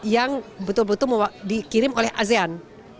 yang betul betul mau dikirim oleh asean